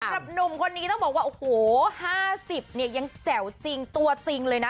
หนุ่มคนนี้ต้องบอกว่าโอ้โห๕๐เนี่ยยังแจ๋วจริงตัวจริงเลยนะ